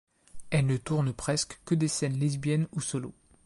Elle ne tourne presque que des scènes lesbiennes ou solos.